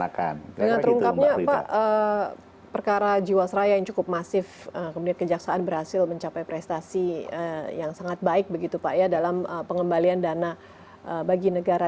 dengan terungkapnya pak perkara jiwasraya yang cukup masif kemudian kejaksaan berhasil mencapai prestasi yang sangat baik begitu pak ya dalam pengembalian dana bagi negara